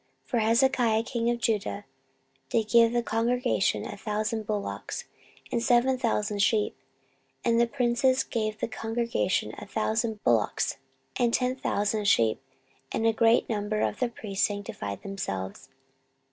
14:030:024 For Hezekiah king of Judah did give to the congregation a thousand bullocks and seven thousand sheep; and the princes gave to the congregation a thousand bullocks and ten thousand sheep: and a great number of priests sanctified themselves.